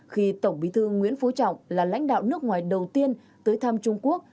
khi tổng bí thư nguyễn phú trọng là lãnh đạo nước ngoài đầu tiên tới thăm trung quốc